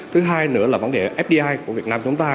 thứ hai nữa là vấn đề fdi của việt nam chúng ta